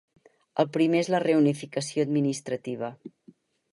El primer és la reunificació administrativa.